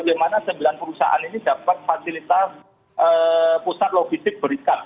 bagaimana sembilan perusahaan ini dapat fasilitas pusat logistik berikat